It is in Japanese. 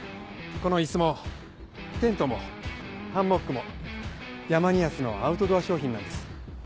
この椅子もテントもハンモックもヤマニアスのアウトドア商品なんです。